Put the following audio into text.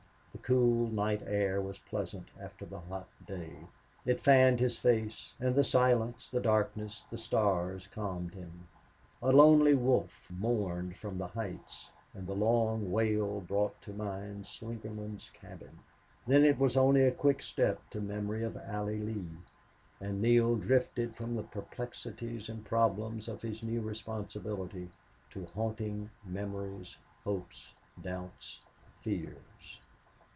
The cool night air was pleasant after the hot day. It fanned his face. And the silence, the darkness, the stars calmed him. A lonely wolf mourned from the heights, and the long wail brought to mind Slingerland's cabin. Then it was only a quick step to memory of Allie Lee; and Neale drifted from the perplexities and problems of his new responsibility to haunting memories, hopes, doubts, fears.